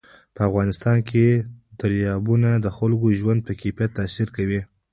په افغانستان کې دریابونه د خلکو د ژوند په کیفیت تاثیر کوي.